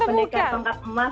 tapi kan gak masuk